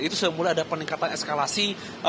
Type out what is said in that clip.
itu sudah mulai ada peningkatan eskalasi